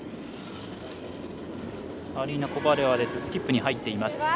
アリーナ・コバレワスキップに入っています。